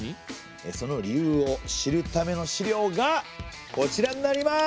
その理由を知るための資料がこちらになります。